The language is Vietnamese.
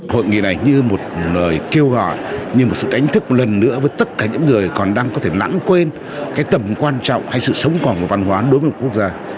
hội nghị này như một lời kêu gọi như một sự đánh thức lần nữa với tất cả những người còn đang có thể lãng quên cái tầm quan trọng hay sự sống còn của văn hóa đối với một quốc gia